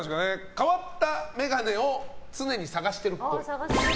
変わった眼鏡を常に探しているっぽい。